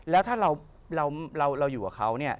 แล้วถ้าเราอยู่กับเขาเนี่ย